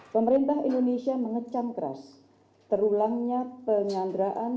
pemerintah indonesia mengecam keras terulangnya penyanderaan